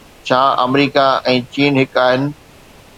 ڇا آمريڪا ۽ چين هڪ آهن؟